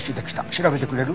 調べてくれる？